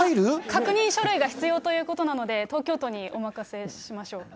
確認書類が必要ということなので、東京都にお任せしましょう。